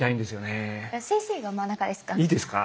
先生が真ん中ですか？